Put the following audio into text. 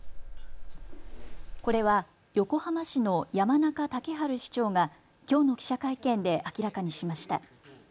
これは横浜市の山中竹春市長がきょうの記者会見で明らかにしました。